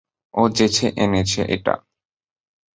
ও যেচে এনেছে এটা।